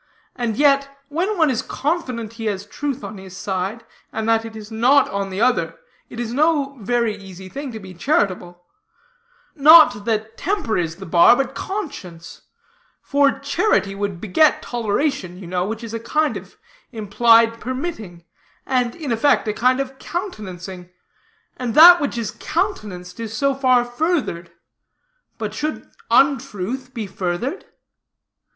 And yet, when one is confident he has truth on his side, and that is not on the other, it is no very easy thing to be charitable; not that temper is the bar, but conscience; for charity would beget toleration, you know, which is a kind of implied permitting, and in effect a kind of countenancing; and that which is countenanced is so far furthered. But should untruth be furthered?